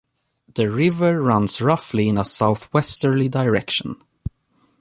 The river runs roughly in a southwesterly direction.